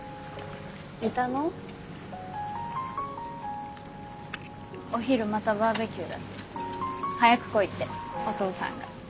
いたの。お昼またバーベキューだって。早く来いってお父さんが。